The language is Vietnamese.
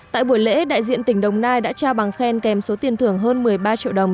tại buổi lễ đại diện tỉnh đồng nai đã trao bằng khen kèm số tiền thưởng hơn một mươi ba triệu đồng